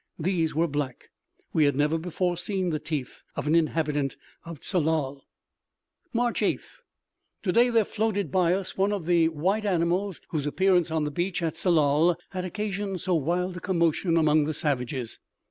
These were black. We had never before seen the teeth of an inhabitant of Tsalal. March 8th. To day there floated by us one of the white animals whose appearance upon the beach at Tsalal had occasioned so wild a commotion among the savages.